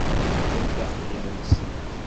Gant axeddim-nsent.